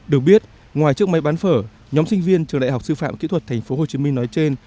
được biết ngoài chiếc máy bán phở nhóm sinh viên trường đại học sư phạm kỹ thuật tp hcm nói trên